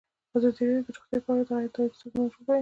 ازادي راډیو د روغتیا په اړه د غیر دولتي سازمانونو رول بیان کړی.